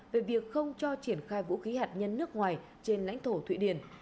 về việc không cho triển khai vũ khí hạt nhân nước ngoài trên lãnh thổ thụy điển